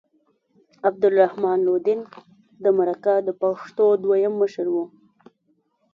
عبدالرحمن لودین د مرکه د پښتو دویم مشر و.